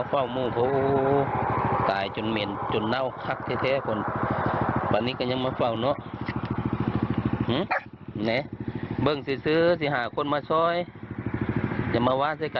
เออเดี๋ยวไปดูกันหน่อยค่ะ